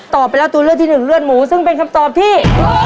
ไปแล้วตัวเลือกที่หนึ่งเลือดหมูซึ่งเป็นคำตอบที่